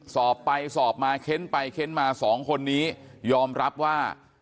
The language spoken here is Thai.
สอบไปสอบมาเค้นไปเค้นมาสองคนนี้ยอมรับว่า